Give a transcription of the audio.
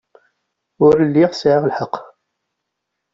Ur lliɣ sɛiɣ lḥeqq.